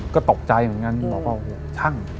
ก็ตกใจอย่างนั้นบอกว่าช่าง